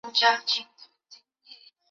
定都于亳。